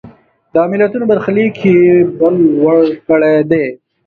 د ملتونو برخلیک یې بل وړ کړی دی.